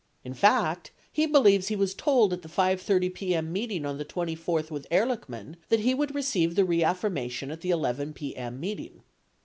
In fact, he believes he was told at the 5 :30 p.m. meeting on the 24th with Ehrlichman that he would receive the reaffirmation at the 11 p.m. meeting.